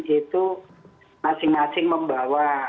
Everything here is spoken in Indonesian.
itu masing masing membawa